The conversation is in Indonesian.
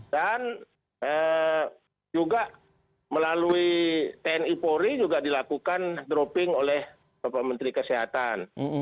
dan juga melalui tni polri juga dilakukan dropping oleh pak menteri kesehatan